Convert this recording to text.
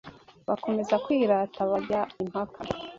bakomeza kwirata bajya impaka,